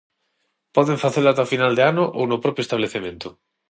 Poden facelo ata final de ano ou no propio establecemento.